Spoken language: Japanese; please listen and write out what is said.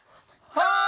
はい！